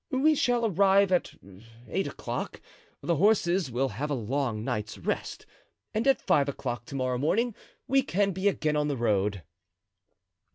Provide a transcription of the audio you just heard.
We shall arrive at eight o'clock. The horses will have a long night's rest, and at five o'clock to morrow morning we can be again on the road."